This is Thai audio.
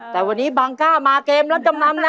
แต่วันนี้บังกะมาเกมแล้วยังจำนำนะ